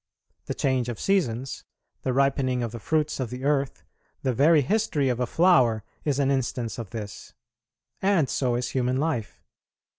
The change of seasons, the ripening of the fruits of the earth, the very history of a flower is an instance of this; and so is human life.